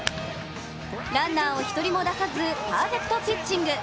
ランナーを１人も出さずパーフェクトピッチング。